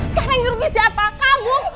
sekarang ini rugi siapa kamu